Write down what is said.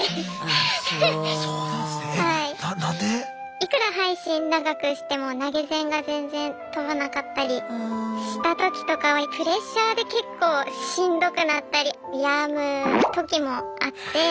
いくら配信長くしても投げ銭が全然飛ばなかったりしたときとかはプレッシャーで結構しんどくなったり病む時もあって。